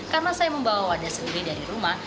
karena saya membawa wadah sendiri dari rumah